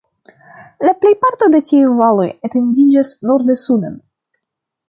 La plejparto de tiuj valoj etendiĝas norde-suden.